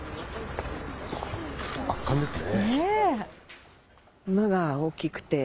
圧巻ですね。